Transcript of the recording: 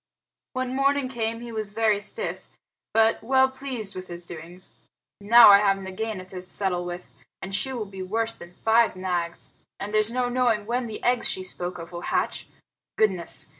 When morning came he was very stiff, but well pleased with his doings. "Now I have Nagaina to settle with, and she will be worse than five Nags, and there's no knowing when the eggs she spoke of will hatch. Goodness!